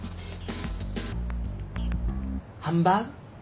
ハンバーグ？